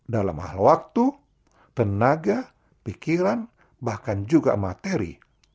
dalam hal waktu tenaga pikiran bahkan juga materi